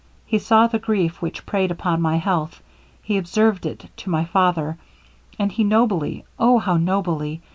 He saw the grief which prayed upon my health; he observed it to my father, and he nobly oh how nobly!